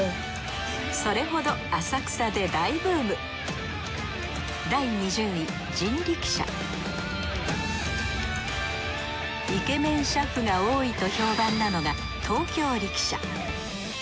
それほど浅草で大ブームイケメン俥夫が多いと評判なのが東京力車。